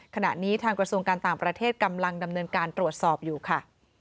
ขณะนี้ทางกระทรวงการต่างประเทศกำลังดำเนินการตรวจสอบอยู่ค่ะ